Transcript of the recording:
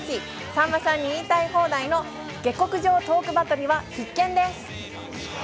さんまさんに言いたい放題の下克上トークバトルは必見です。